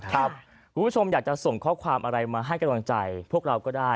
คุณผู้ชมอยากจะส่งข้อความอะไรมาให้กำลังใจพวกเราก็ได้